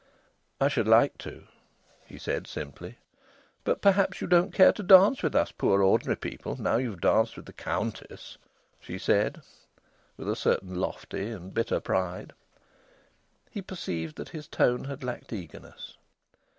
"I should like to," he said simply. "But perhaps you don't care to dance with us poor, ordinary people, now you've danced with the Countess!" she said, with a certain lofty and bitter pride. He perceived that his tone had lacked eagerness.